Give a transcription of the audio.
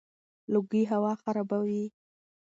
لوګي هوا خرابوي.